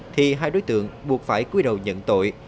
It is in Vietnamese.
thì hai đối tượng buộc phải cuối đầu nhận tội